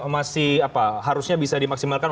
masih harusnya bisa dimaksimalkan